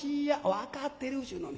「分かってるちゅうのに。